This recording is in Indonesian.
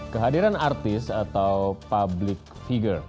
kehadiran artis atau public figure